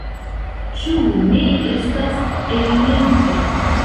Ĉu ne estas evidente?